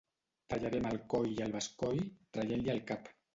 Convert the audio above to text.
Tallarem el coll i el bescoll, traient-li el cap